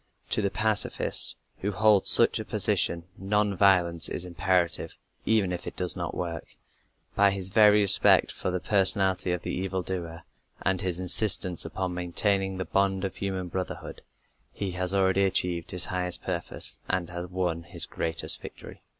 To the pacifist who holds such a position, non violence is imperative even if it does not work. By his very respect for the personality of the evil doer, and his insistence upon maintaining the bond of human brotherhood, he has already achieved his highest purpose and has won his greatest victory.